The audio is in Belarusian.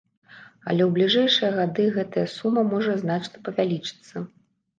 Але ў бліжэйшыя гады гэтая сума можа значна павялічыцца.